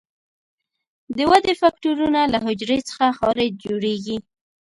د ودې فکټورونه له حجرې څخه خارج جوړیږي.